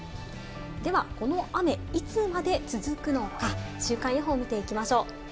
では、この雨、いつまで続くのか、週間予報を見ていきましょう。